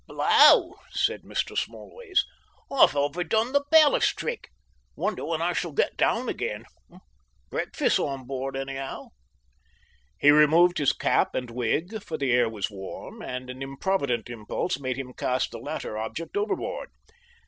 "Blow!" said Mr. Smallways. "I've over done the ballast trick.... Wonder when I shall get down again?... brekfus' on board, anyhow." He removed his cap and wig, for the air was warm, and an improvident impulse made him cast the latter object overboard.